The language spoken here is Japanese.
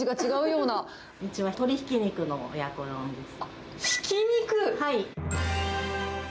うちは鶏ひき肉の親子丼です。